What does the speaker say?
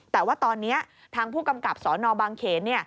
แต่ว่าตอนนี้ทางผู้กำกับสนบางเขน